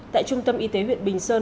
tại trung tâm y tế huyện bình sơn